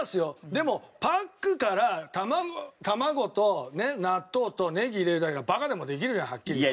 でもパックから卵と納豆とネギ入れるだけだからバカでもできるじゃんはっきり言って。